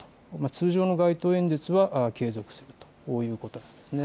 通常の街頭演説は継続するということなんですね。